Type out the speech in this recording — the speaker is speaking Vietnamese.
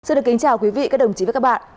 xin được kính chào quý vị các đồng chí và các bạn